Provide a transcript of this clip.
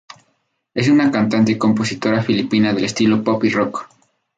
Es una cantante y compositora filipina de estilo pop y rock.